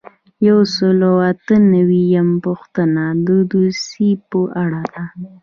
یو سل او اته نوي یمه پوښتنه د دوسیې په اړه ده.